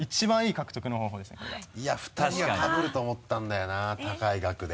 いや２人がかぶると思ったんだよな高い額で。